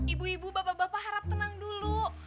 ibu ibu bapak bapak harap tenang dulu